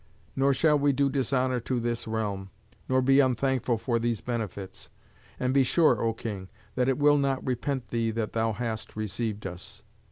Nor shall we do dishonour to this realm, nor be unthankful for these benefits. And be sure, O king, that it will not repent thee that thou hast received us.